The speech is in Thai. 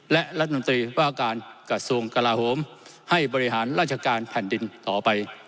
และรัฐมนตรีว่าการกระทรวงกลาโหมให้บริหารราชการแผ่นดินต่อไป